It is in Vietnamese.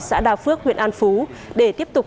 xã đà phước huyện an phú để tiếp tục